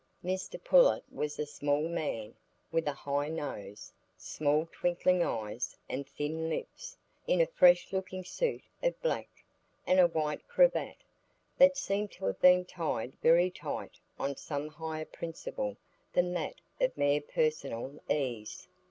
Mr Pullet was a small man, with a high nose, small twinkling eyes, and thin lips, in a fresh looking suit of black and a white cravat, that seemed to have been tied very tight on some higher principle than that of mere personal ease.